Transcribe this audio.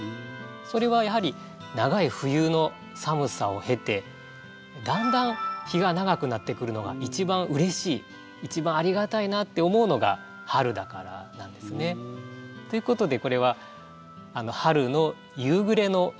それはやはり長い冬の寒さを経てだんだん日が長くなってくるのが一番うれしい一番ありがたいなって思うのが春だからなんですね。っていうことでこれは春の夕暮れの情景。